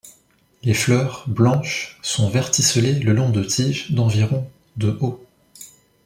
Les fleurs, blanches, sont verticellées le long de tiges d'environ de haut.